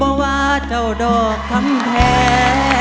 บากว่าเจ้าโดคทำแพ้